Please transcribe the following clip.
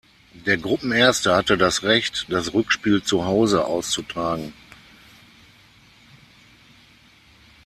Der Gruppenerste hatte das Recht, das Rückspiel zu Hause auszutragen.